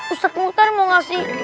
ustaz muhtar mau ngasih